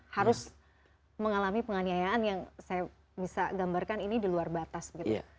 harus mengalami penganiayaan yang saya bisa gambarkan ini di luar batas gitu